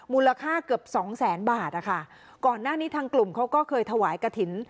มูลค่าเกือบสองแสนบาทนะคะก่อนหน้านี้ทางกลุ่มเขาก็เคยถวายกระถิ่น